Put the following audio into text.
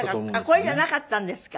これじゃなかったんですか？